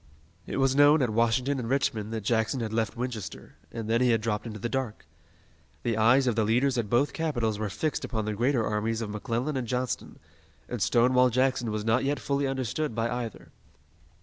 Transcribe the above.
It was known at Washington and Richmond that Jackson had left Winchester, and then he had dropped into the dark. The eyes of the leaders at both capitals were fixed upon the greater armies of McClellan and Johnston, and Stonewall Jackson was not yet fully understood by either.